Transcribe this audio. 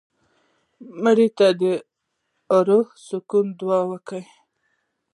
مړه ته د اروا سکون ته دعا کوو